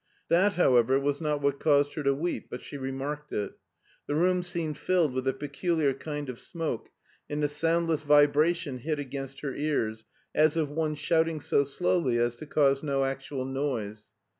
That, however, was not what caused her to weep, but she remarked it. The room seemed filled with a peculiar kind of smoke, and a soundless vibration hit against her ears, as of one shouting so slowly as to cause no actual noise.